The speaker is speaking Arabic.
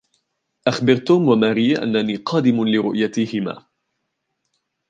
أخبر توم وماري أنني قادم لرؤيتهما